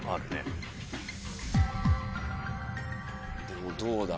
でもどうだ？